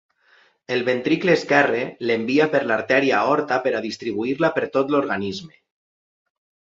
El ventricle esquerre l'envia per l'artèria aorta per a distribuir-la per tot l'organisme.